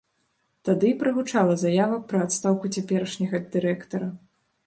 Тады і прагучала заява пра адстаўку цяперашняга дырэктара.